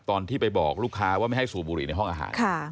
ตอนที่ไปบอกลูกค้าว่าไม่ให้สูบบุหรี่ในห้องอาหาร